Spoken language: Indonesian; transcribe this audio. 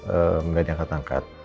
eh gak diangkat angkat